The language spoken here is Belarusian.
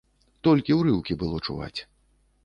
Толькі ўрыўкі было чуваць.